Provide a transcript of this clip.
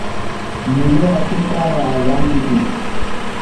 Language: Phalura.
مُلو اٹیۡ کاݨے آذان دِتیۡ۔